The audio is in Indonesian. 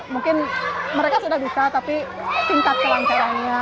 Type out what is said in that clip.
mungkin mereka sudah bisa tapi singkat kelantaranya